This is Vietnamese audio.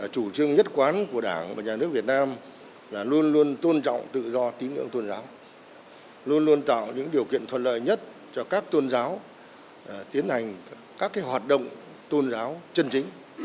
chủ trương nhất quán của đảng và nhà nước việt nam là luôn luôn tôn trọng tự do tín ngưỡng tôn giáo luôn luôn tạo những điều kiện thuận lợi nhất cho các tôn giáo tiến hành các hoạt động tôn giáo chân chính